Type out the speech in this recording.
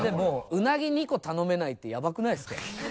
うなぎ２個頼めないってヤバくないですか？